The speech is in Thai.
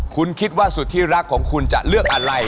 คุณคิดว่าสุดที่รักของคุณจะเลือกอะไร